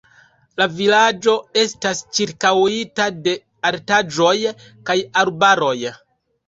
La vilaĝo estas ĉirkaŭita de altaĵoj kaj arbaroj.